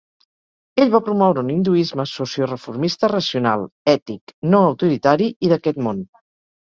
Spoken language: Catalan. Ell va promoure un hinduisme socioreformista racional, ètic, no autoritari i d'aquest món.